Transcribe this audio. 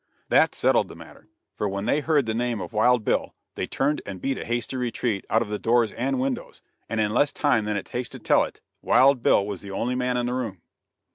That settled the matter; for when they heard the name of Wild Bill they turned and beat a hasty retreat out of the doors and windows, and in less time than it takes to tell it, Wild Bill was the only man in the room.